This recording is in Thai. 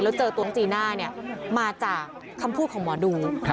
แล้วเจอตัวน้องจีน่ามาจากคำพูดของหมอดู